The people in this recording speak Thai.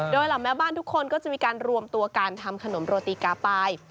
โดยเหล่าแม่บ้านทุกคนก็จะมีการรวมตัวการทำขนมโรติกาปาย